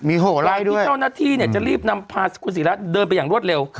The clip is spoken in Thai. มีโหล่ะด้วยพี่เจ้าหน้าที่จะรีบนำพาคุณศรีรัตน์เดินไปอย่างรวดเร็ว